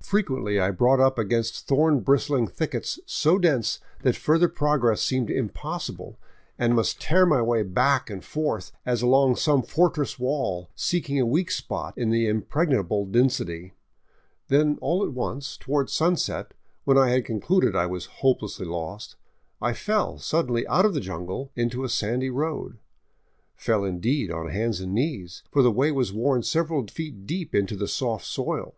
Frequently I brought up against thorn bristling thickets so dense that further progress seemed impossible, and must tear my way back and forth, as along some fortress wall, seeking a weak spot in the impregnable density. Then all at once, toward sunset, when I had concluded I was hope lessly lost, I fell suddenly out of the jungle into a sandy road, fell in deed on hands and knees, for the way was worn several feet deep into the soft soil.